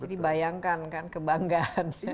jadi bayangkan kan kebanggaan gitu